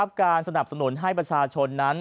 คุณผู้ชมครับการสนับสนุนให้ประชาชนนั้น